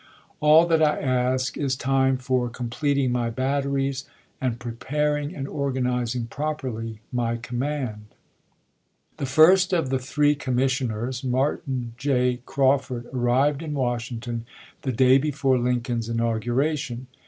All ^waife? that I ask is time for completing my batteries and pre Mar^e, uo. paring and organizing properly my command. i.. p 26. The first of the three commissioners, Martin J. Crawford, arrived in Washington the day before Lincoln's inauguration.